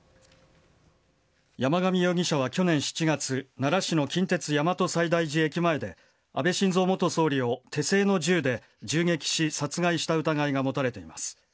山上容疑者は去年７月、奈良市の近鉄大和西大寺駅前で、安倍晋三元総理を手製の銃で銃撃し、殺害した疑いが持たれています。